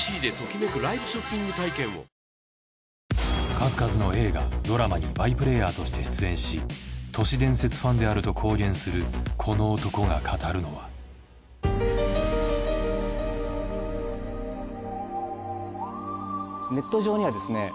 数々の映画ドラマにバイプレイヤーとして出演し都市伝説ファンであると公言するこの男が語るのはネット上にはですね